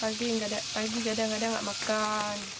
pagi gak ada gak makan